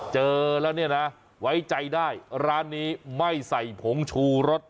เจอแล้วเนี่ยนะไว้ใจได้ร้านนี้ไม่ใส่ผงชูรส